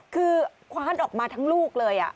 คือคว้านออกมาทั้งลูกเลย